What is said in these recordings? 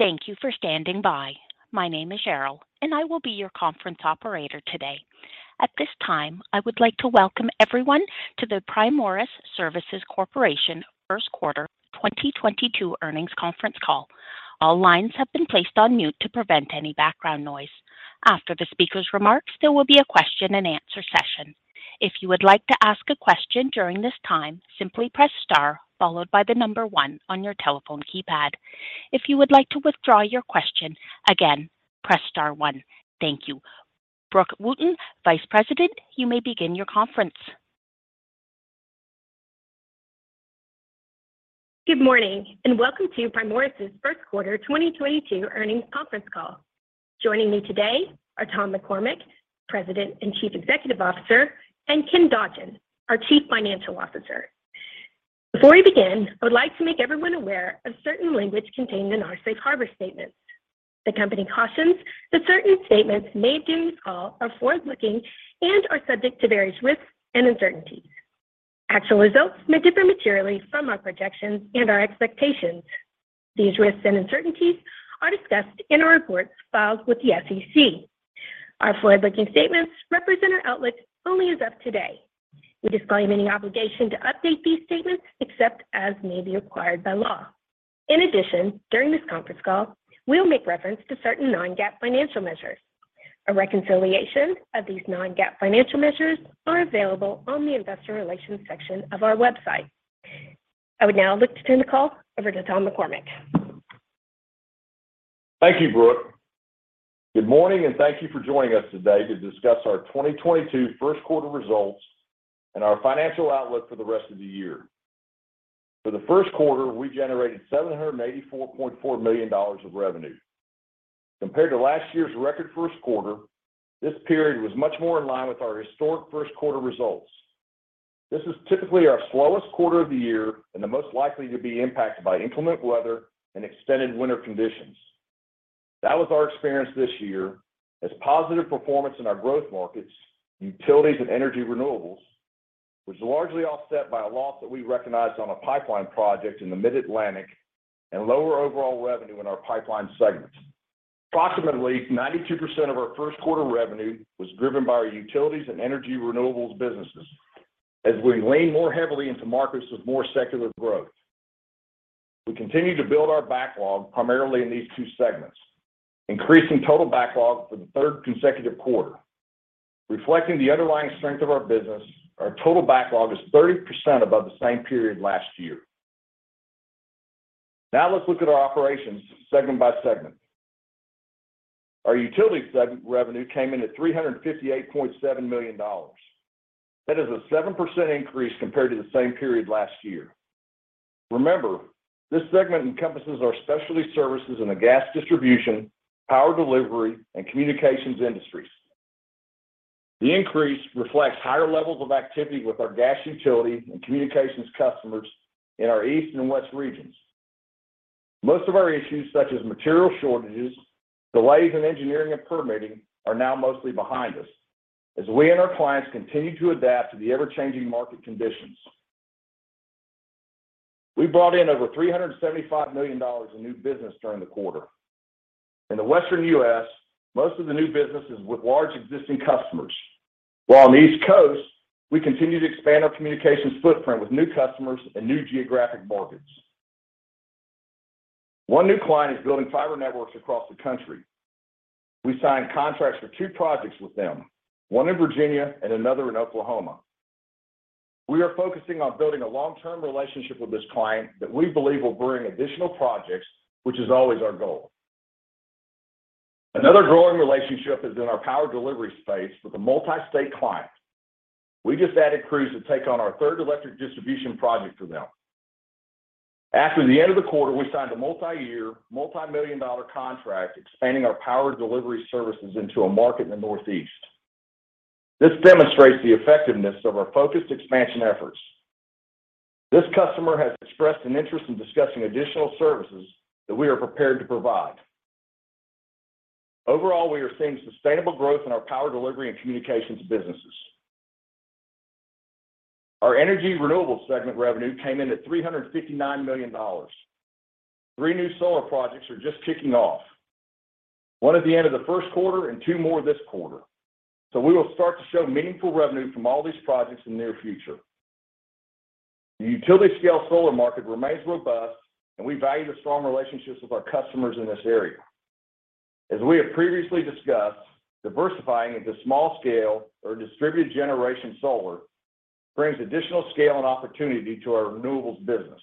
Thank you for standing by. My name is Cheryl, and I will be your conference operator today. At this time, I would like to welcome everyone to the Primoris Services Corporation First Quarter 2022 Earnings Conference Call. All lines have been placed on mute to prevent any background noise. After the speaker's remarks, there will be a question-and-answer session. If you would like to ask a question during this time, simply press star followed by the number one on your telephone keypad. If you would like to withdraw your question, again, press star one. Thank you. Brook Wootton, Vice President, you may begin your conference. Good morning, and welcome to Primoris' First Quarter 2022 Earnings Conference Call. Joining me today are Tom McCormick, President and Chief Executive Officer, and Ken Dodgen, our Chief Financial Officer. Before we begin, I would like to make everyone aware of certain language contained in our safe harbor statement. The company cautions that certain statements made during this call are forward-looking and are subject to various risks and uncertainties. Actual results may differ materially from our projections and our expectations. These risks and uncertainties are discussed in our reports filed with the SEC. Our forward-looking statements represent our outlook only as of today. We disclaim any obligation to update these statements except as may be required by law. In addition, during this conference call, we'll make reference to certain non-GAAP financial measures. A reconciliation of these non-GAAP financial measures are available on the investor relations section of our website. I would now like to turn the call over to Tom McCormick. Thank you, Brooke. Good morning, and thank you for joining us today to discuss our 2022 first quarter results and our financial outlook for the rest of the year. For the first quarter, we generated $784.4 million of revenue. Compared to last year's record first quarter, this period was much more in line with our historic first quarter results. This is typically our slowest quarter of the year and the most likely to be impacted by inclement weather and extended winter conditions. That was our experience this year as positive performance in our growth markets, utilities and energy renewables, was largely offset by a loss that we recognized on a pipeline project in the Mid-Atlantic and lower overall revenue in our pipeline segments. Approximately 92% of our first quarter revenue was driven by our utilities and energy renewables businesses as we lean more heavily into markets with more secular growth. We continue to build our backlog primarily in these two segments, increasing total backlog for the third consecutive quarter. Reflecting the underlying strength of our business, our total backlog is 30% above the same period last year. Now let's look at our operations segment by segment. Our utility segment revenue came in at $358.7 million. That is a 7% increase compared to the same period last year. Remember, this segment encompasses our specialty services in the gas distribution, power delivery, and communications industries. The increase reflects higher levels of activity with our gas utility and communications customers in our East and West regions. Most of our issues, such as material shortages, delays in engineering and permitting, are now mostly behind us as we and our clients continue to adapt to the ever-changing market conditions. We brought in over $375 million in new business during the quarter. In the Western US, most of the new business is with large existing customers, while on the East Coast, we continue to expand our communications footprint with new customers and new geographic markets. One new client is building fiber networks across the country. We signed contracts for two projects with them, one in Virginia and another in Oklahoma. We are focusing on building a long-term relationship with this client that we believe will bring additional projects, which is always our goal. Another growing relationship is in our power delivery space with a multi-state client. We just added crews to take on our third electric distribution project for them. After the end of the quarter, we signed a multi-year, multi-million dollar contract expanding our power delivery services into a market in the Northeast. This demonstrates the effectiveness of our focused expansion efforts. This customer has expressed an interest in discussing additional services that we are prepared to provide. Overall, we are seeing sustainable growth in our power delivery and communications businesses. Our energy renewables segment revenue came in at $359 million. Three new solar projects are just kicking off, one at the end of the first quarter and two more this quarter. We will start to show meaningful revenue from all these projects in the near future. The utility-scale solar market remains robust, and we value the strong relationships with our customers in this area. As we have previously discussed, diversifying into small scale or distributed generation solar brings additional scale and opportunity to our renewables business.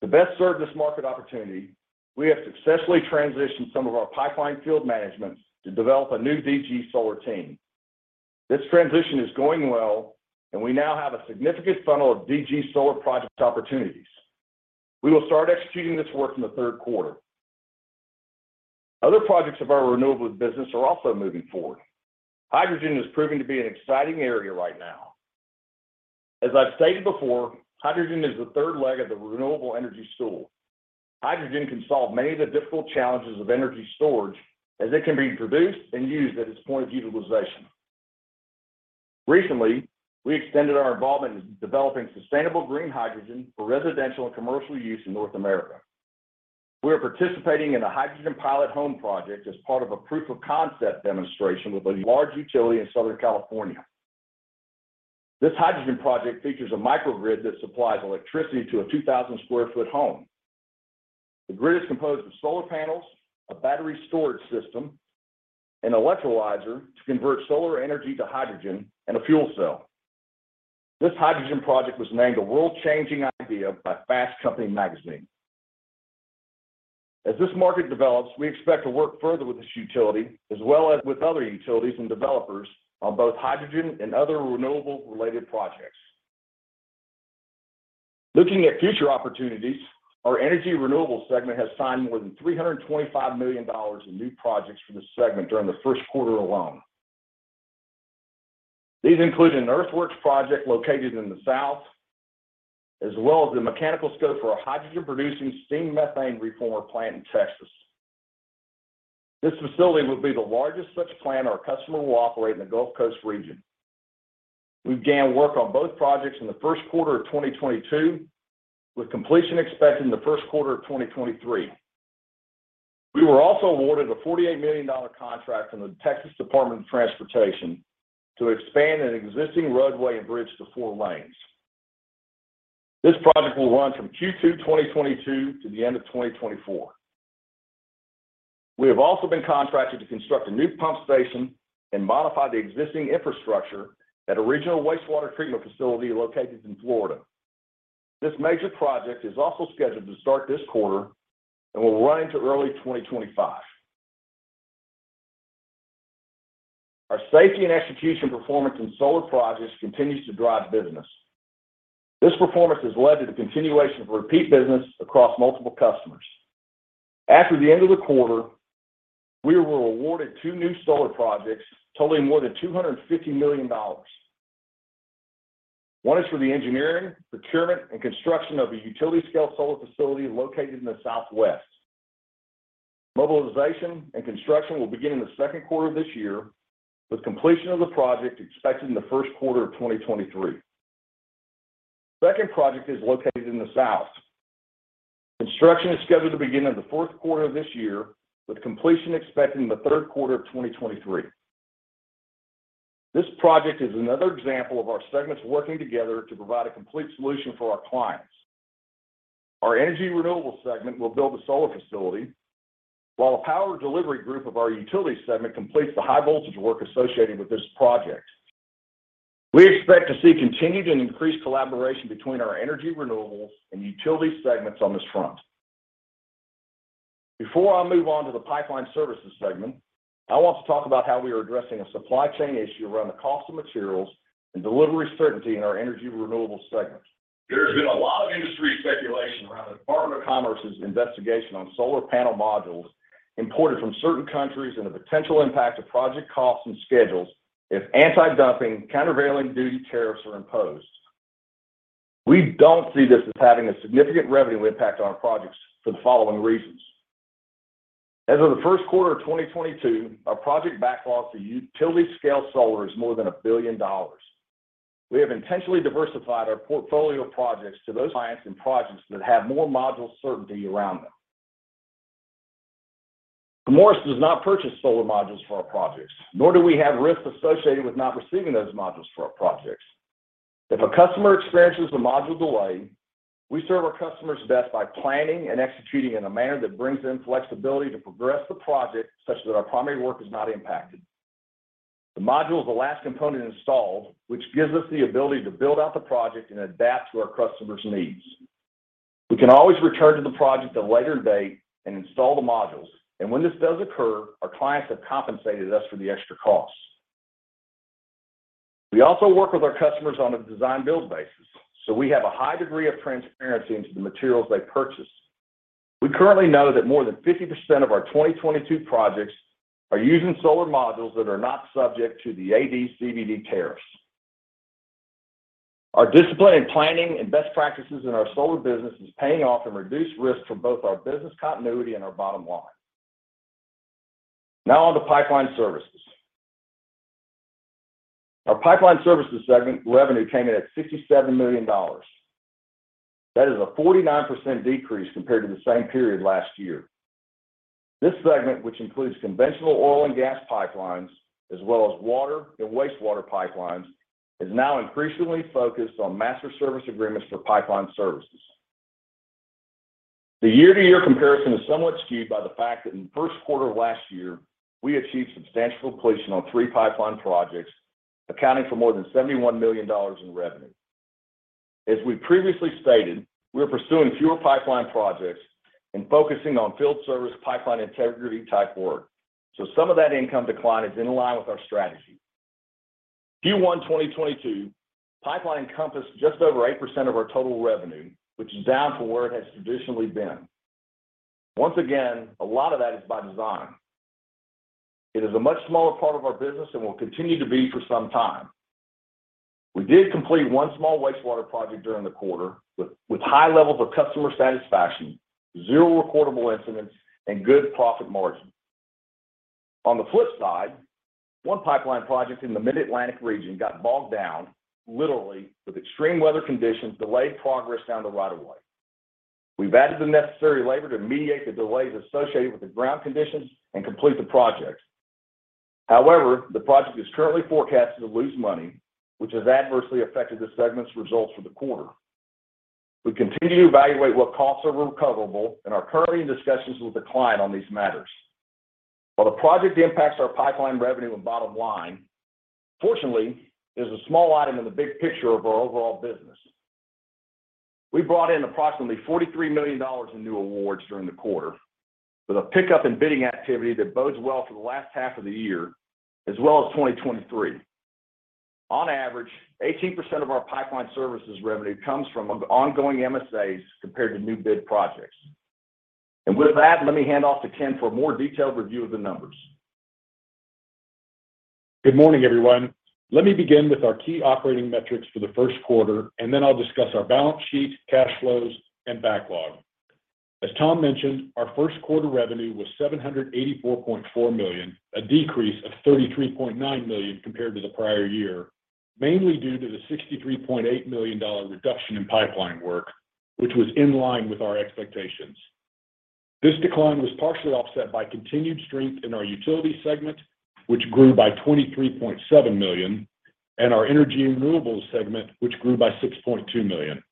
To best serve this market opportunity, we have successfully transitioned some of our pipeline field management to develop a new DG solar team. This transition is going well, and we now have a significant funnel of DG solar project opportunities. We will start executing this work in the third quarter. Other projects of our renewables business are also moving forward. Hydrogen is proving to be an exciting area right now. As I've stated before, hydrogen is the third leg of the renewable energy stool. Hydrogen can solve many of the difficult challenges of energy storage as it can be produced and used at its point of utilization. Recently, we extended our involvement in developing sustainable green hydrogen for residential and commercial use in North America. We are participating in a hydrogen pilot home project as part of a proof of concept demonstration with a large utility in Southern California. This hydrogen project features a microgrid that supplies electricity to a 2,000 sq ft home. The grid is composed of solar panels, a battery storage system, an electrolyzer to convert solar energy to hydrogen, and a fuel cell. This hydrogen project was named a world-changing idea by Fast Company magazine. As this market develops, we expect to work further with this utility as well as with other utilities and developers on both hydrogen and other renewable related projects. Looking at future opportunities, our energy renewables segment has signed more than $325 million in new projects for this segment during the first quarter alone. These include an earthworks project located in the south, as well as the mechanical scope for a hydrogen-producing steam methane reformer plant in Texas. This facility would be the largest such plant our customer will operate in the Gulf Coast region. We began work on both projects in the first quarter of 2022, with completion expected in the first quarter of 2023. We were also awarded a $48 million contract from the Texas Department of Transportation to expand an existing roadway and bridge to four lanes. This project will run from Q2 2022 to the end of 2024. We have also been contracted to construct a new pump station and modify the existing infrastructure at a regional wastewater treatment facility located in Florida. This major project is also scheduled to start this quarter and will run into early 2025. Our safety and execution performance in solar projects continues to drive business. This performance has led to the continuation of repeat business across multiple customers. After the end of the quarter, we were awarded two new solar projects totaling more than $250 million. One is for the engineering, procurement, and construction of a utility-scale solar facility located in the Southwest. Mobilization and construction will begin in the second quarter of this year, with completion of the project expected in the first quarter of 2023. The second project is located in the South. Construction is scheduled to begin in the fourth quarter of this year, with completion expected in the third quarter of 2023. This project is another example of our segments working together to provide a complete solution for our clients. Our energy renewables segment will build the solar facility, while the power delivery group of our utilities segment completes the high-voltage work associated with this project. We expect to see continued and increased collaboration between our energy renewables and utilities segments on this front. Before I move on to the pipeline services segment, I want to talk about how we are addressing a supply chain issue around the cost of materials and delivery certainty in our energy renewables segment. There has been a lot of industry speculation around the Department of Commerce's investigation on solar panel modules imported from certain countries and the potential impact of project costs and schedules if antidumping and countervailing duty tariffs are imposed. We don't see this as having a significant revenue impact on our projects for the following reasons. As of the first quarter of 2022, our project backlog for utility-scale solar is more than $1 billion. We have intentionally diversified our portfolio of projects to those clients and projects that have more module certainty around them. Primoris does not purchase solar modules for our projects, nor do we have risks associated with not receiving those modules for our projects. If a customer experiences a module delay, we serve our customers best by planning and executing in a manner that brings in flexibility to progress the project such that our primary work is not impacted. The module is the last component installed, which gives us the ability to build out the project and adapt to our customers' needs. We can always return to the project at a later date and install the modules. When this does occur, our clients have compensated us for the extra costs. We also work with our customers on a design-build basis, so we have a high degree of transparency into the materials they purchase. We currently know that more than 50% of our 2022 projects are using solar modules that are not subject to the AD/CVD tariffs. Our discipline in planning and best practices in our solar business is paying off and reduced risk for both our business continuity and our bottom line. Now on to pipeline services. Our pipeline services segment revenue came in at $67 million. That is a 49% decrease compared to the same period last year. This segment, which includes conventional oil and gas pipelines, as well as water and wastewater pipelines, is now increasingly focused on master service agreements for pipeline services. The year-to-year comparison is somewhat skewed by the fact that in the first quarter of last year, we achieved substantial completion on three pipeline projects, accounting for more than $71 million in revenue. As we previously stated, we are pursuing fewer pipeline projects and focusing on field service pipeline integrity type work. Some of that income decline is in line with our strategy. Q1 2022, pipeline encompassed just over 8% of our total revenue, which is down from where it has traditionally been. Once again, a lot of that is by design. It is a much smaller part of our business and will continue to be for some time. We did complete one small wastewater project during the quarter with high levels of customer satisfaction, 0 recordable incidents and good profit margin. On the flip side, one pipeline project in the Mid-Atlantic region got bogged down, literally, with extreme weather conditions delayed progress down the right of way. We've added the necessary labor to mediate the delays associated with the ground conditions and complete the projects. However, the project is currently forecasted to lose money, which has adversely affected the segment's results for the quarter. We continue to evaluate what costs are recoverable and are currently in discussions with the client on these matters. While the project impacts our pipeline revenue and bottom line, fortunately, it is a small item in the big picture of our overall business. We brought in approximately $43 million in new awards during the quarter, with a pickup in bidding activity that bodes well for the last half of the year as well as 2023. On average, 18% of our pipeline services revenue comes from ongoing MSAs compared to new bid projects. With that, let me hand off to Ken for a more detailed review of the numbers. Good morning, everyone. Let me begin with our key operating metrics for the first quarter, and then I'll discuss our balance sheet, cash flows, and backlog. As Tom mentioned, our first quarter revenue was $784.4 million, a decrease of $33.9 million compared to the prior year, mainly due to the $63.8 million reduction in pipeline work, which was in line with our expectations. This decline was partially offset by continued strength in our utility segment, which grew by $23.7 million, and our energy and renewables segment, which grew by $6.2 million.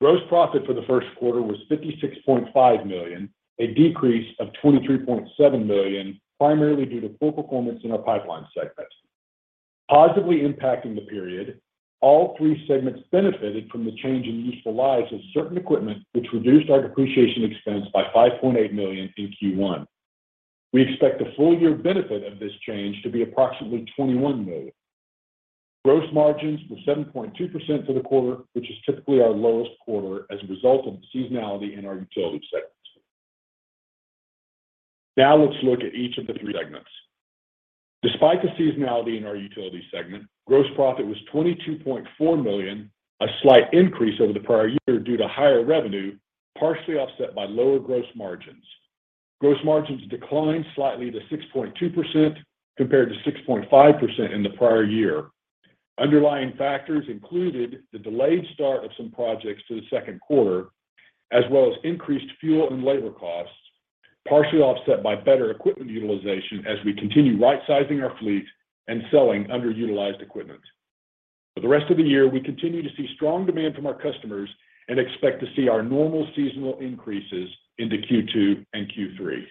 Gross profit for the first quarter was $56.5 million, a decrease of $23.7 million, primarily due to poor performance in our pipeline segment. Positively impacting the period, all three segments benefited from the change in useful lives of certain equipment which reduced our depreciation expense by $5.8 million in Q1. We expect the full year benefit of this change to be approximately $21 million. Gross margins were 7.2% for the quarter, which is typically our lowest quarter as a result of the seasonality in our utility segment. Now let's look at each of the three segments. Despite the seasonality in our utility segment, gross profit was $22.4 million, a slight increase over the prior year due to higher revenue, partially offset by lower gross margins. Gross margins declined slightly to 6.2% compared to 6.5% in the prior year. Underlying factors included the delayed start of some projects to the second quarter, as well as increased fuel and labor costs, partially offset by better equipment utilization as we continue rightsizing our fleet and selling underutilized equipment. For the rest of the year, we continue to see strong demand from our customers and expect to see our normal seasonal increases into Q2 and Q3.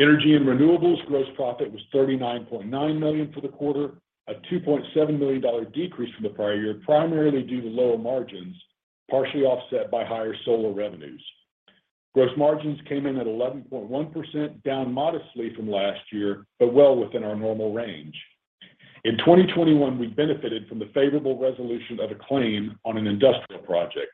Energy and renewables gross profit was $39.9 million for the quarter, a $2.7 million decrease from the prior year, primarily due to lower margins, partially offset by higher solar revenues. Gross margins came in at 11.1% down modestly from last year, but well within our normal range. In 2021, we benefited from the favorable resolution of a claim on an industrial project.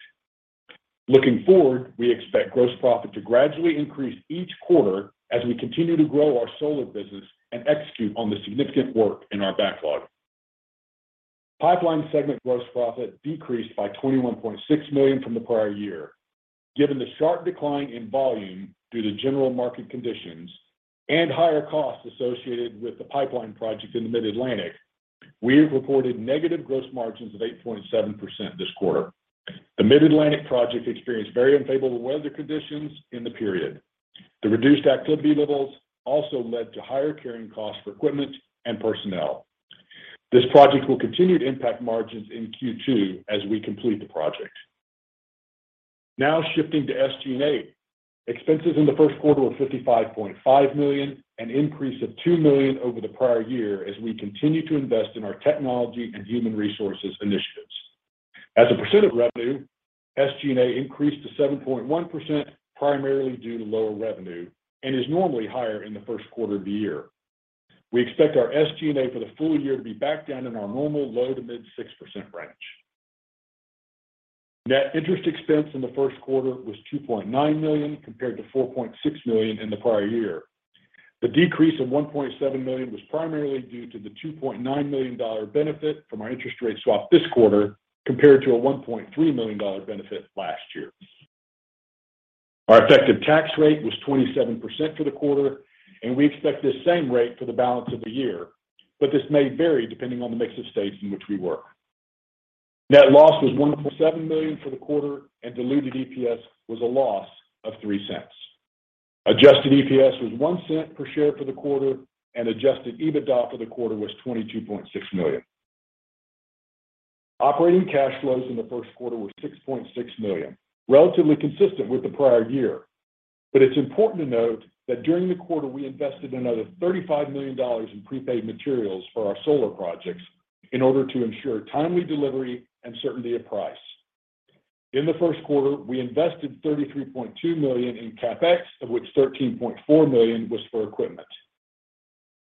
Looking forward, we expect gross profit to gradually increase each quarter as we continue to grow our solar business and execute on the significant work in our backlog. Pipeline segment gross profit decreased by $21.6 million from the prior year. Given the sharp decline in volume due to general market conditions and higher costs associated with the pipeline project in the Mid-Atlantic, we've reported negative gross margins of 8.7% this quarter. The Mid-Atlantic project experienced very unfavorable weather conditions in the period. The reduced activity levels also led to higher carrying costs for equipment and personnel. This project will continue to impact margins in Q2 as we complete the project. Now shifting to SG&A. Expenses in the first quarter were $55.5 million, an increase of $2 million over the prior year as we continue to invest in our technology and human resources initiatives. As a percent of revenue, SG&A increased to 7.1% primarily due to lower revenue and is normally higher in the first quarter of the year. We expect our SG&A for the full year to be back down in our normal low- to mid-6% range. Net interest expense in the first quarter was $2.9 million compared to $4.6 million in the prior year. The decrease of $1.7 million was primarily due to the $2.9 million benefit from our interest rate swap this quarter compared to a $1.3 million benefit last year. Our effective tax rate was 27% for the quarter, and we expect this same rate for the balance of the year, but this may vary depending on the mix of states in which we work. Net loss was $1.7 million for the quarter and diluted EPS was a loss of $0.03. Adjusted EPS was $0.01 per share for the quarter and adjusted EBITDA for the quarter was $22.6 million. Operating cash flows in the first quarter were $6.6 million, relatively consistent with the prior year. It's important to note that during the quarter we invested another $35 million in prepaid materials for our solar projects in order to ensure timely delivery and certainty of price. In the first quarter, we invested $33.2 million in CapEx, of which $13.4 million was for equipment.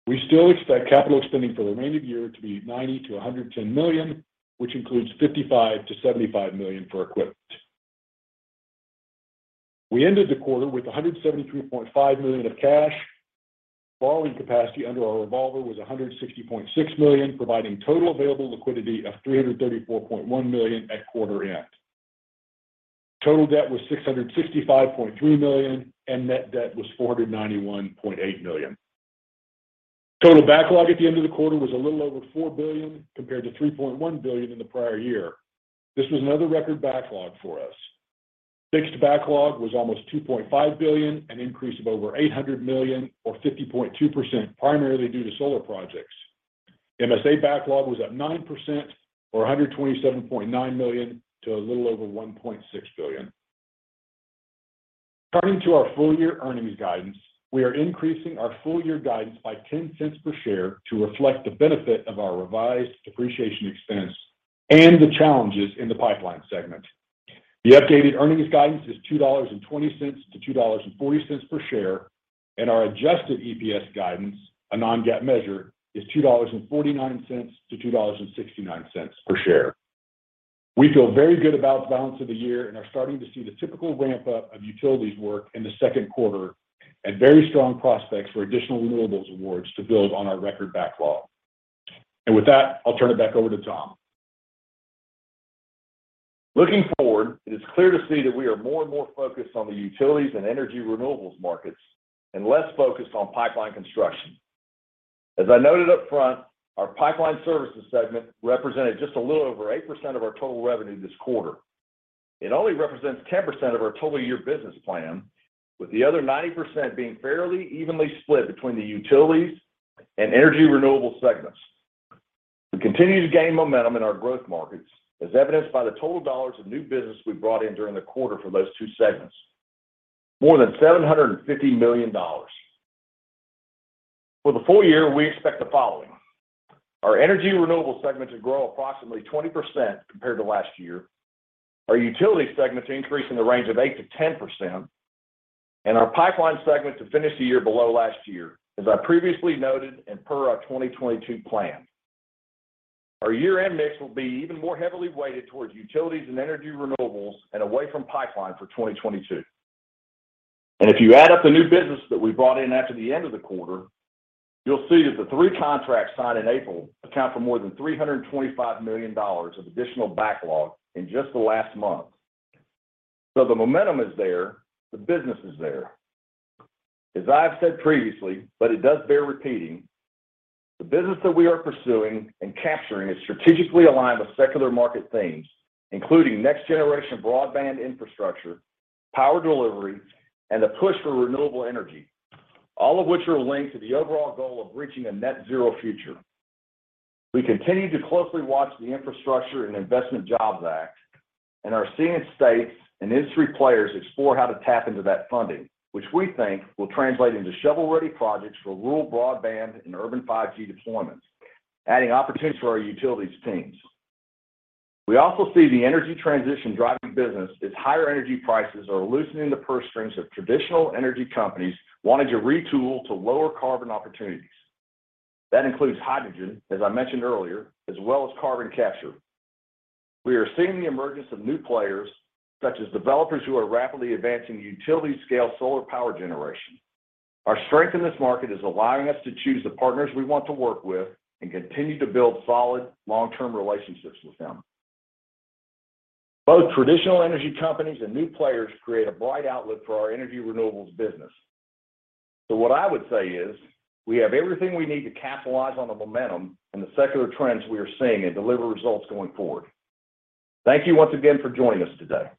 We still expect capital spending for the remainder of the year to be $90 million-$110 million, which includes $55 million-$75 million for equipment. We ended the quarter with $173.5 million of cash. Borrowing capacity under our revolver was $160.6 million, providing total available liquidity of $334.1 million at quarter end. Total debt was $665.3 million, and net debt was $491.8 million. Total backlog at the end of the quarter was a little over $4 billion, compared to $3.1 billion in the prior year. This was another record backlog for us. Fixed backlog was almost $2.5 billion, an increase of over $800 million or 50.2%, primarily due to solar projects. MSA backlog was up 9% or $127.9 million to a little over $1.6 billion. Turning to our full-year earnings guidance, we are increasing our full-year guidance by $0.10 per share to reflect the benefit of our revised depreciation expense and the challenges in the pipeline segment. The updated earnings guidance is $2.20-$2.40 per share, and our adjusted EPS guidance, a non-GAAP measure, is $2.49-$2.69 per share. We feel very good about the balance of the year and are starting to see the typical ramp-up of utilities work in the second quarter and very strong prospects for additional renewables awards to build on our record backlog. With that, I'll turn it back over to Tom. Looking forward, it is clear to see that we are more and more focused on the utilities and energy renewables markets and less focused on pipeline construction. As I noted up front, our pipeline services segment represented just a little over 8% of our total revenue this quarter. It only represents 10% of our total year business plan, with the other 90% being fairly evenly split between the utilities and energy renewable segments. We continue to gain momentum in our growth markets, as evidenced by the total dollars of new business we brought in during the quarter for those two segments, more than $750 million. For the full year, we expect the following. Our energy renewable segment to grow approximately 20% compared to last year. Our utility segment to increase in the range of 8%-10%. Our pipeline segment to finish the year below last year, as I previously noted and per our 2022 plan. Our year-end mix will be even more heavily weighted towards utilities and energy renewables and away from pipeline for 2022. If you add up the new business that we brought in after the end of the quarter, you'll see that the three contracts signed in April account for more than $325 million of additional backlog in just the last month. The momentum is there. The business is there. As I have said previously, but it does bear repeating, the business that we are pursuing and capturing is strategically aligned with secular market themes, including next-generation broadband infrastructure, power delivery, and the push for renewable energy, all of which are linked to the overall goal of reaching a net zero future. We continue to closely watch the Infrastructure Investment and Jobs Act and are seeing states and industry players explore how to tap into that funding, which we think will translate into shovel-ready projects for rural broadband and urban 5G deployments, adding opportunities for our utilities teams. We also see the energy transition driving business as higher energy prices are loosening the purse strings of traditional energy companies wanting to retool to lower carbon opportunities. That includes hydrogen, as I mentioned earlier, as well as carbon capture. We are seeing the emergence of new players, such as developers who are rapidly advancing utility-scale solar power generation. Our strength in this market is allowing us to choose the partners we want to work with and continue to build solid long-term relationships with them. Both traditional energy companies and new players create a bright outlet for our energy renewables business. What I would say is we have everything we need to capitalize on the momentum and the secular trends we are seeing and deliver results going forward. Thank you once again for joining us today.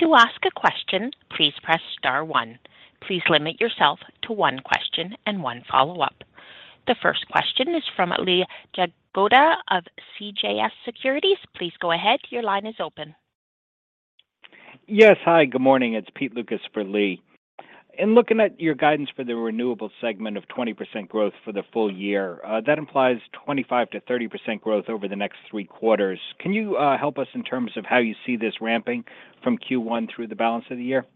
To ask a question, please press star one. Please limit yourself to one question and one follow-up. The first question is from Lee Jagoda of CJS Securities. Please go ahead. Your line is open. Yes. Hi, good morning. It's Pete Lukas for Lee. In looking at your guidance for the renewable segment of 20% growth for the full year, that implies 25%-30% growth over the next three quarters. Can you help us in terms of how you see this ramping from Q1 through the balance of the year?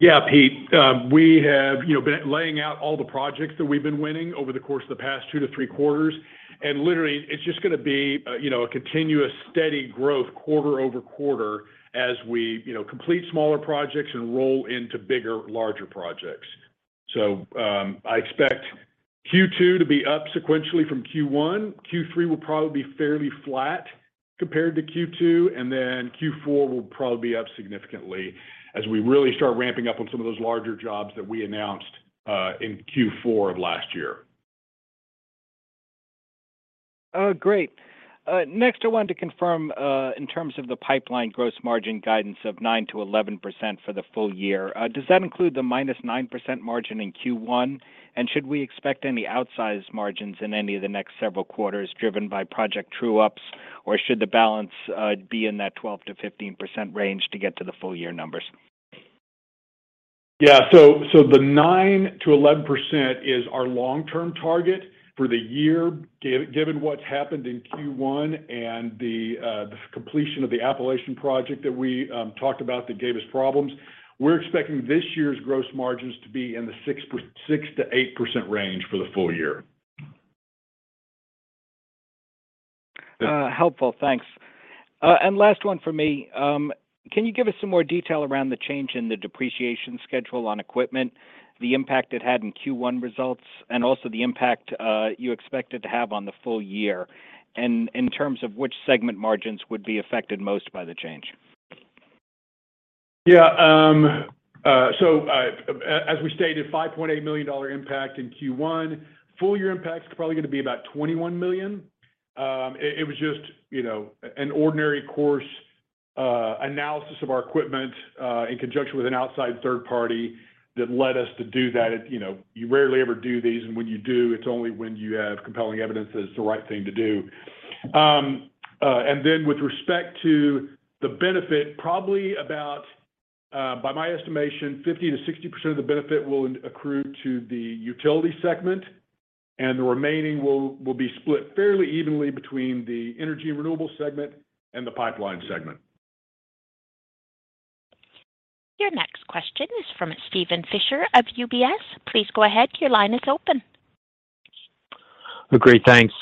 Yeah, Pete. We have been laying out all the projects that we've been winning over the course of the past 2-3 quarters, and literally, it's just going to be a continuous steady growth quarter-over-quarter as we complete smaller projects and roll into bigger, larger projects. I expect Q2 to be up sequentially from Q1. Q3 will probably be fairly flat compared to Q2, and then Q4 will probably be up significantly as we really start ramping up on some of those larger jobs that we announced in Q4 of last year. Oh, great. Next I wanted to confirm, in terms of the pipeline gross margin guidance of 9%-11% for the full year. Does that include the -9% margin in Q1? Should we expect any outsized margins in any of the next several quarters driven by project true-ups, or should the balance be in that 12%-15% range to get to the full year numbers? The 9%-11% is our long-term target for the year. Given what's happened in Q1 and the completion of the Appalachian project that we talked about that gave us problems, we're expecting this year's gross margins to be in the 6%-8% range for the full year. Helpful. Thanks. Last one for me. Can you give us some more detail around the change in the depreciation schedule on equipment, the impact it had in Q1 results, and also the impact you expect it to have on the full year, and in terms of which segment margins would be affected most by the change? Yeah. As we stated, $5.8 million impact in Q1. Full year impact's probably gonna be about $21 million. It was just an ordinary course analysis of our equipment in conjunction with an outside third party that led us to do that. You know, you rarely ever do these, and when you do, it's only when you have compelling evidence that it's the right thing to do. Then with respect to the benefit, probably about, by my estimation, 50%-60% of the benefit will accrue to the utility segment, and the remaining will be split fairly evenly between the energy and renewable segment and the pipeline segment. Your next question is from Steven Fisher of UBS. Please go ahead, your line is open. Great, thanks.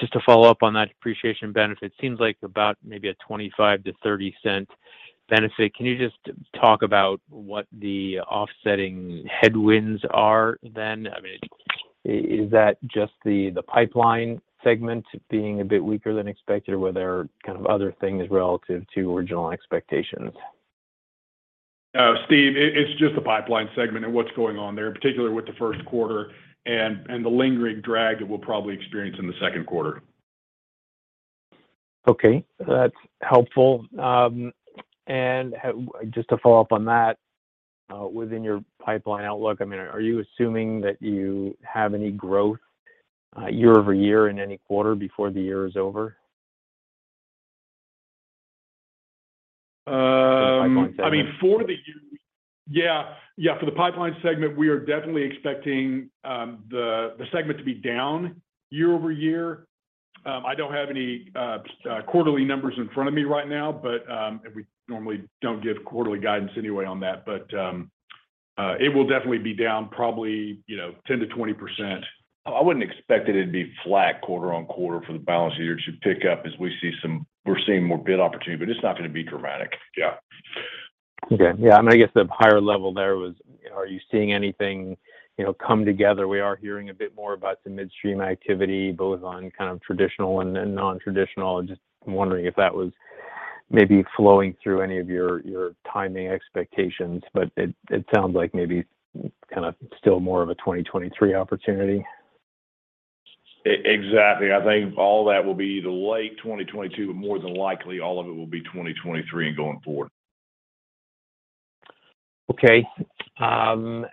Just to follow up on that depreciation benefit, seems like about maybe a $0.25-$0.30 benefit. Can you just talk about what the offsetting headwinds are then? I mean, is that just the pipeline segment being a bit weaker than expected, or were there kind of other things relative to original expectations? Steven, it's just the pipeline segment and what's going on there, in particular with the first quarter and the lingering drag that we'll probably experience in the second quarter. Okay. That's helpful. Just to follow up on that, within your pipeline outlook, I mean, are you assuming that you have any growth, year-over-year in any quarter before the year is over? Um- In the pipeline segment. I mean, for the pipeline segment, we are definitely expecting the segment to be down year-over-year. I don't have any quarterly numbers in front of me right now, but it will definitely be down probably 10%-20%. I wouldn't expect it to be flat quarter-over-quarter for the balance of the year. It should pick up as we're seeing more bid opportunity, but it's not gonna be dramatic. Yeah. Okay. Yeah, I guess the higher level there was, are you seeing anything come together? We are hearing a bit more about some midstream activity, both on kind of traditional and non-traditional. Just wondering if that was maybe flowing through any of your timing expectations. It sounds like maybe kind of still more of a 2023 opportunity. Exactly. I think all that will be either late 2022, but more than likely all of it will be 2023 and going forward. Okay. I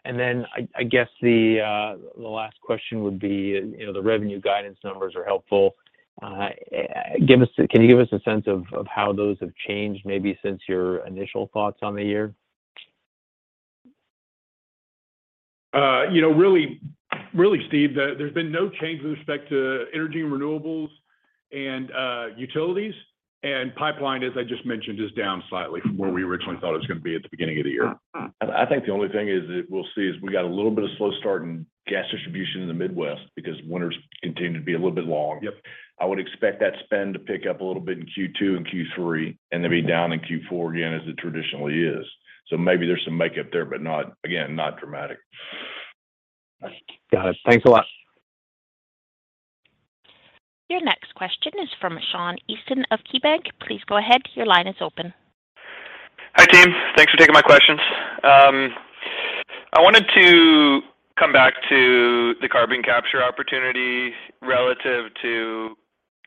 guess the last question would be the revenue guidance numbers are helpful. Can you give us a sense of how those have changed maybe since your initial thoughts on the year? You know, really, Steven, there's been no change with respect to energy and renewables and utilities. Pipeline, as I just mentioned, is down slightly from where we originally thought it was gonna be at the beginning of the year. I think the only thing is that we'll see is we got a little bit of slow start in gas distribution in the Midwest because winters continue to be a little bit long. Yep. I would expect that spend to pick up a little bit in Q2 and Q3, and then be down in Q4 again as it traditionally is. Maybe there's some makeup there, but not, again, not dramatic. Got it. Thanks a lot. Your next question is from Sean Eastman of KeyBanc Capital Markets. Please go ahead, your line is open. Hi, team. Thanks for taking my questions. I wanted to come back to the carbon capture opportunity relative to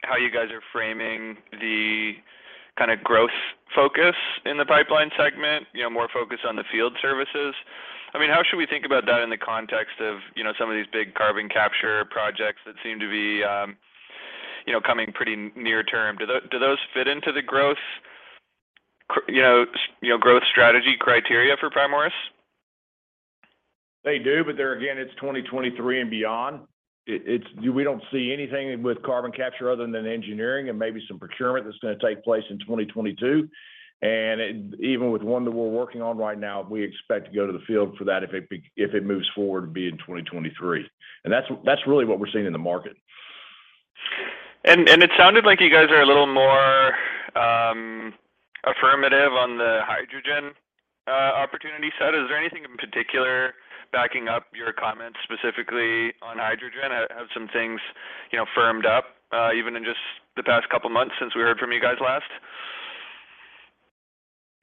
how you guys are framing the kind of growth focus in the pipeline segment more focused on the field services. I mean, how should we think about that in the context of some of these big carbon capture projects that seem to be coming pretty near term? Do those fit into the growth strategy criteria for Primoris? They do, but there again, it's 2023 and beyond. We don't see anything with carbon capture other than engineering and maybe some procurement that's gonna take place in 2022. Even with one that we're working on right now, we expect to go to the field for that if it moves forward, to be in 2023. That's really what we're seeing in the market. It sounded like you guys are a little more affirmative on the hydrogen opportunity side. Is there anything in particular backing up your comments specifically on hydrogen? Have some things firmed up, even in just the past couple months since we heard from you guys last?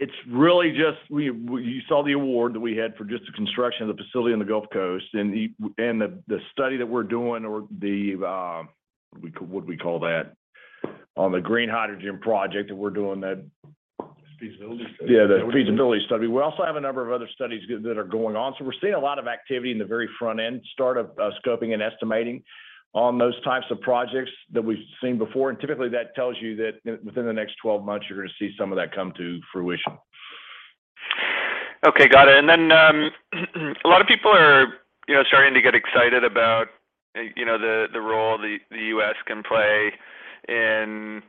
It's really just, you saw the award that we had for just the construction of the facility in the Gulf Coast and the study that we're doing or what do we call that on the green hydrogen project that we're doing. Feasibility study. Yeah, the feasibility study. We also have a number of other studies that are going on. We're seeing a lot of activity in the very front end, start of scoping and estimating on those types of projects that we've seen before. Typically that tells you that within the next 12 months, you're gonna see some of that come to fruition. Okay. Got it. Then, a lot of people are starting to get excited about the role the U.S. can play in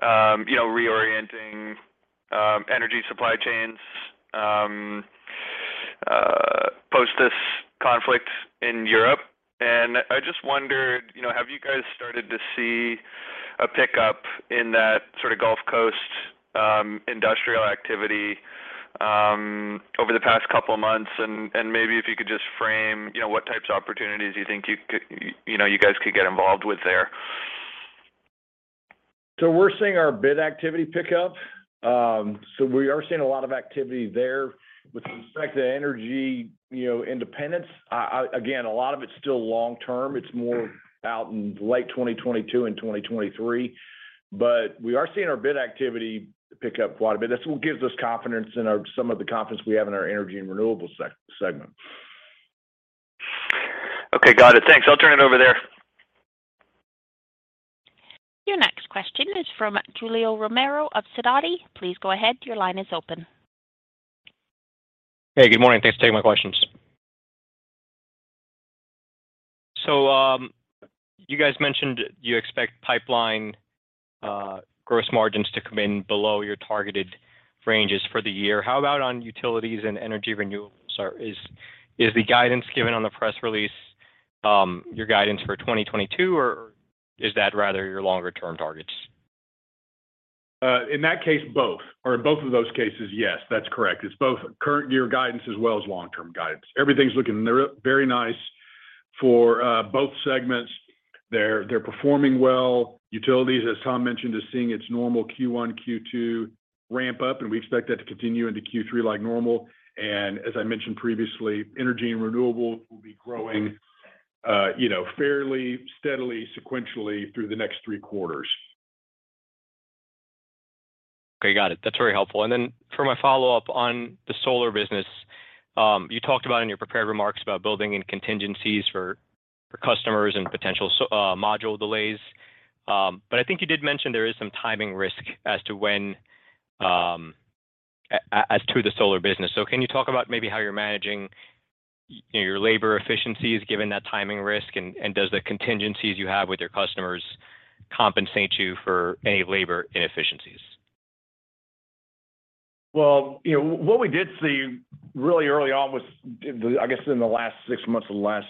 reorienting energy supply chains post this conflict in Europe. I just wondered have you guys started to see a pickup in that sort of Gulf Coast industrial activity over the past couple of months? Maybe if you could just frame what types of opportunities you think you know you guys could get involved with there. We're seeing our bid activity pick up. We are seeing a lot of activity there. With respect to energy independence, again, a lot of it's still long term. It's more out in late 2022 and 2023. We are seeing our bid activity pick up quite a bit. That's what gives us confidence in some of the confidence we have in our energy and renewables segment. Okay. Got it. Thanks. I'll turn it over there. Your next question is from Julio Romero of Sidoti. Please go ahead. Your line is open. Hey, good morning. Thanks for taking my questions. You guys mentioned you expect pipeline gross margins to come in below your targeted ranges for the year. How about on utilities and energy renewables? Is the guidance given on the press release your guidance for 2022, or is that rather your longer term targets? In that case, both, or in both of those cases, yes, that's correct. It's both current year guidance as well as long-term guidance. Everything's looking very nice for both segments. They're performing well. Utilities, as Tom mentioned, is seeing its normal Q1, Q2 ramp up, and we expect that to continue into Q3 like normal. As I mentioned previously, energy and renewables will be growing fairly steadily, sequentially through the next three quarters. Okay. Got it. That's very helpful. For my follow-up on the solar business, you talked about in your prepared remarks about building in contingencies for customers and potential module delays. I think you did mention there is some timing risk as to when as to the solar business. Can you talk about maybe how you're managing your labor efficiencies given that timing risk? Does the contingencies you have with your customers compensate you for any labor inefficiencies? Well what we did see really early on was, I guess, in the last six months or the last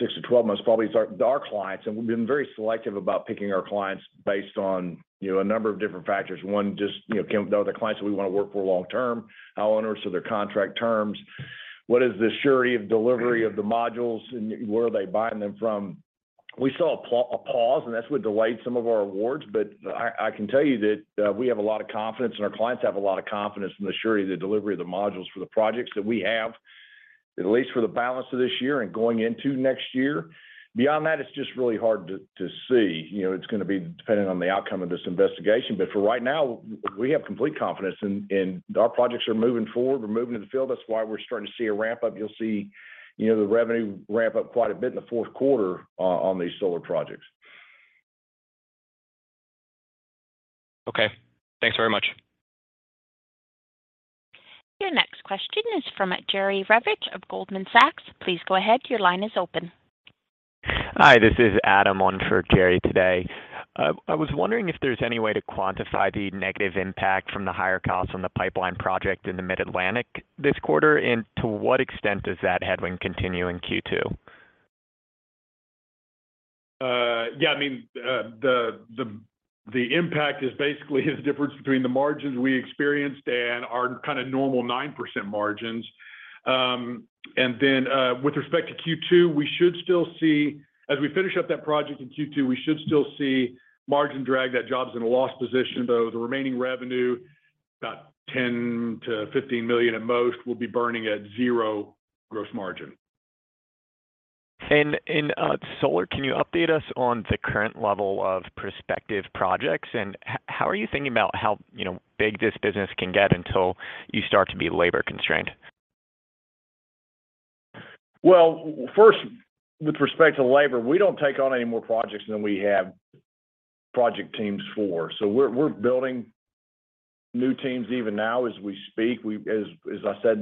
six to 12 months probably, our clients, and we've been very selective about picking our clients based on a number of different factors. One, just are the clients we wanna work for long term? How long are some of their contract terms? What is the surety of delivery of the modules, and where are they buying them from? We saw a pause, and that's what delayed some of our awards. I can tell you that we have a lot of confidence and our clients have a lot of confidence in the surety of the delivery of the modules for the projects that we have, at least for the balance of this year and going into next year. Beyond that, it's just really hard to see. You know, it's gonna be dependent on the outcome of this investigation. For right now, we have complete confidence in our projects are moving forward. We're moving to the field. That's why we're starting to see a ramp up. You'll see the revenue ramp up quite a bit in the fourth quarter on these solar projects. Okay. Thanks very much. Your next question is from Jerry Revich of Goldman Sachs. Please go ahead. Your line is open. Hi, this is Adam on for Jerry today. I was wondering if there's any way to quantify the negative impact from the higher costs on the pipeline project in the Mid-Atlantic this quarter, and to what extent does that headwind continue in Q2? Yeah, I mean, the impact is basically the difference between the margins we experienced and our kind of normal 9% margins. With respect to Q2, as we finish up that project in Q2, we should still see margin drag. That job's in a loss position. The remaining revenue, about $10 million-$15 million at most, will be burning at 0% gross margin. In solar, can you update us on the current level of prospective projects? How are you thinking about how big this business can get until you start to be labor constrained? Well, first, with respect to labor, we don't take on any more projects than we have project teams for. We're building new teams even now as we speak. As I said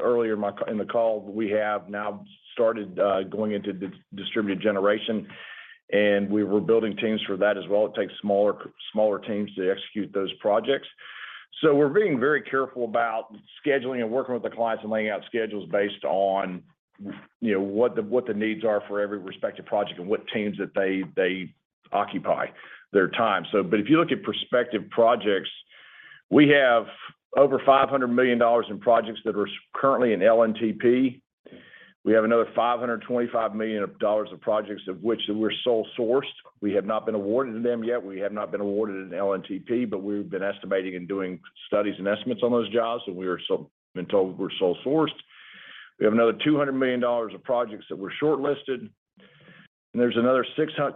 earlier in the call, we have now started going into distributed generation, and we're rebuilding teams for that as well. It takes smaller teams to execute those projects. We're being very careful about scheduling and working with the clients and laying out schedules based on what the needs are for every respective project and what teams that they occupy their time. But if you look at prospective projects, we have over $500 million in projects that are currently in LNTP. We have another $525 million of projects of which that we're sole sourced. We have not been awarded to them yet. We have not been awarded an LNTP, but we've been estimating and doing studies and estimates on those jobs, and we are been told we're sole sourced. We have another $200 million of projects that we're shortlisted, and there's another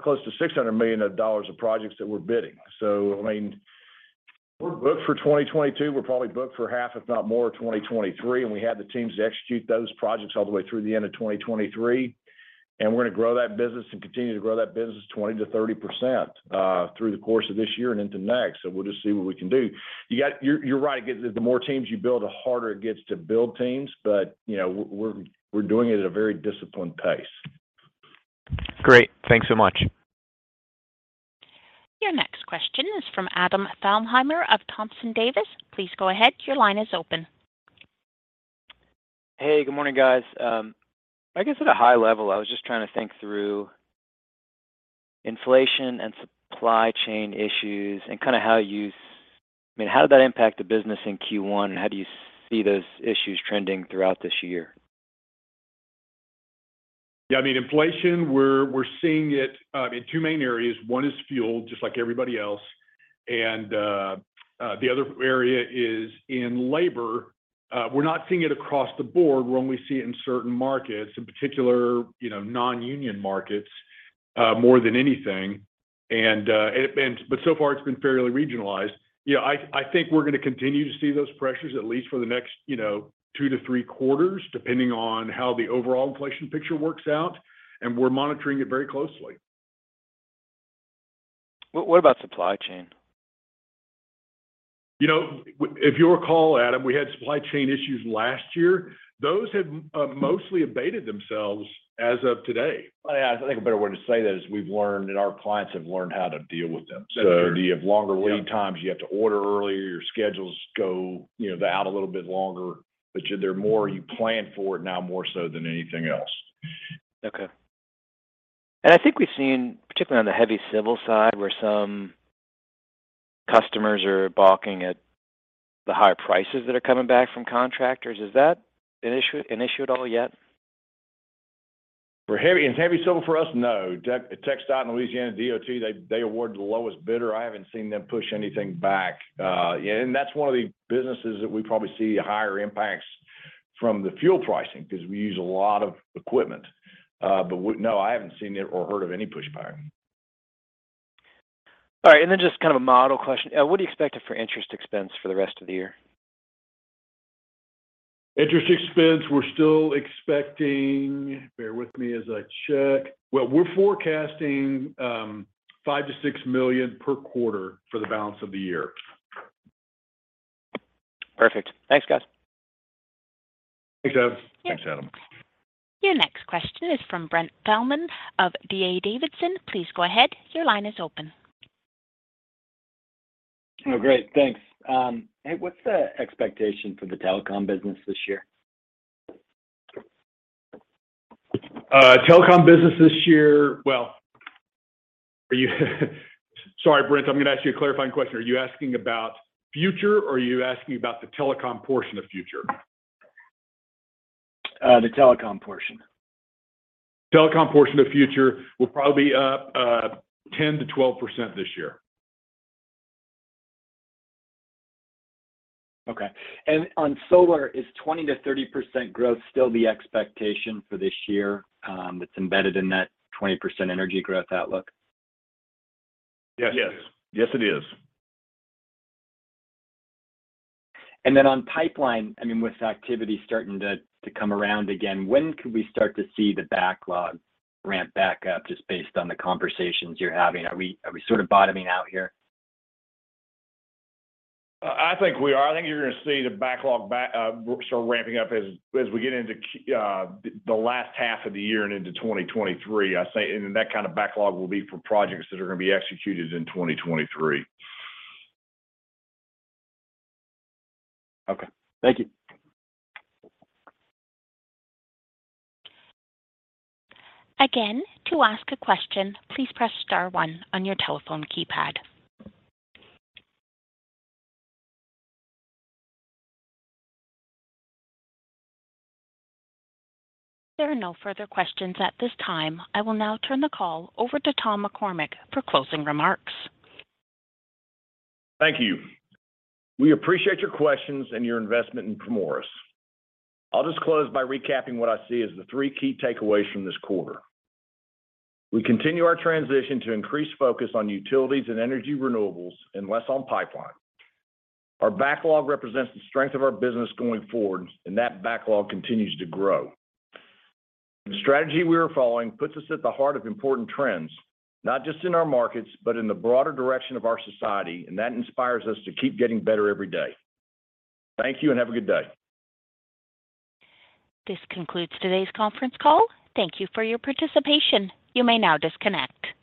close to $600 million of projects that we're bidding. I mean, we're booked for 2022. We're probably booked for half if not more of 2023, and we have the teams to execute those projects all the way through the end of 2023. We're gonna grow that business and continue to grow that business 20%-30% through the course of this year and into next. We'll just see what we can do. You're right. The more teams you build, the harder it gets to build teams. You know, we're doing it at a very disciplined pace. Great. Thanks so much. Your next question is from Adam Thalhimer of Thompson Davis. Please go ahead, your line is open. Hey, good morning, guys. I guess at a high level, I was just trying to think through inflation and supply chain issues and I mean, how did that impact the business in Q1, and how do you see those issues trending throughout this year? Yeah. I mean, inflation, we're seeing it in two main areas. One is fuel, just like everybody else, and the other area is in labor. We're not seeing it across the board. We're only seeing it in certain markets, in particular non-union markets more than anything. So far it's been fairly regionalized. You know, I think we're gonna continue to see those pressures at least for the next two to three quarters, depending on how the overall inflation picture works out, and we're monitoring it very closely. What about supply chain? You know, if you'll recall, Adam, we had supply chain issues last year. Those have mostly abated themselves as of today. Yeah. I think a better way to say that is we've learned and our clients have learned how to deal with them. So you have longer lead times. Yeah, you have to order earlier, your schedules go out a little bit longer. But they're more you plan for it now more so than anything else. Okay. I think we've seen, particularly on the heavy civil side, where some customers are balking at the higher prices that are coming back from contractors. Is that an issue at all yet? In heavy civil for us, no. TxDOT in Louisiana, LaDOTD, they award the lowest bidder. I haven't seen them push anything back. That's one of the businesses that we probably see higher impacts from the fuel pricing, 'cause we use a lot of equipment. No, I haven't seen it or heard of any pushback. All right. Just kind of a model question. What are you expecting for interest expense for the rest of the year? Interest expense, we're still expecting. Bear with me as I check. Well, we're forecasting $5 million-$6 million per quarter for the balance of the year. Perfect. Thanks, guys. Thanks, Adam. Your next question is from Brent Thielman of D.A. Davidson. Please go ahead, your line is open. Oh, great. Thanks. Hey, what's the expectation for the telecom business this year? Sorry, Brent, I'm gonna ask you a clarifying question. Are you asking about Future or are you asking about the telecom portion of Future? The telecom portion. Telecom portion of Future will probably up 10%-12% this year. Okay. On solar, is 20%-30% growth still the expectation for this year? That's embedded in that 20% energy growth outlook. Yes. Yes. Yes, it is. On pipeline, I mean, with activity starting to come around again, when could we start to see the backlog ramp back up just based on the conversations you're having? Are we sort of bottoming out here? I think we are. I think you're gonna see the backlog back start ramping up as we get into the last half of the year and into 2023, I say. Then that kind of backlog will be for projects that are gonna be executed in 2023. Okay. Thank you. Again, to ask a question, please press star one on your telephone keypad. There are no further questions at this time. I will now turn the call over to Tom McCormick for closing remarks. Thank you. We appreciate your questions and your investment in Primoris. I'll just close by recapping what I see as the three key takeaways from this quarter. We continue our transition to increased focus on utilities and energy renewables and less on pipeline. Our backlog represents the strength of our business going forward, and that backlog continues to grow. The strategy we are following puts us at the heart of important trends, not just in our markets, but in the broader direction of our society, and that inspires us to keep getting better every day. Thank you, and have a good day. This concludes today's conference call. Thank you for your participation. You may now disconnect.